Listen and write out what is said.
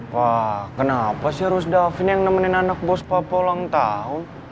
wah kenapa sih harus daffin yang nemenin anak bos papa ulang tahun